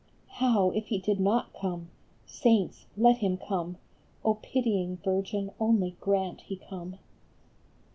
" How if he did not come ? Saints, let him come ! pitying Virgin, only grant he come